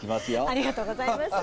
ありがとうございます。